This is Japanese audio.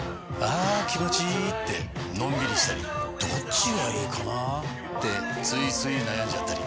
あ気持ちいいってのんびりしたりどっちがいいかなってついつい悩んじゃったり。